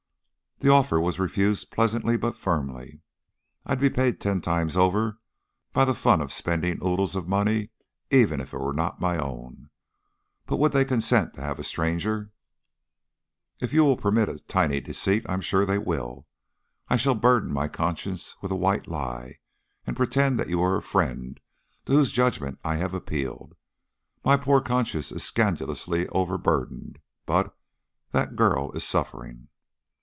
The offer was refused pleasantly, but firmly. "I'd be paid ten times over by the fun of spending oodles of money even if it were not my own. But would they consent to have a stranger ?" "If you will permit a tiny deceit, I'm sure they will. I shall burden my conscience with a white lie and pretend that you are a friend to whose judgment I have appealed. My poor conscience is scandalously overburdened, but that girl is suffering!"